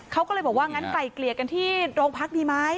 เขาก็เลยบอกว่างั้นไกลเกลี่ยกันที่โรงพักดีไหม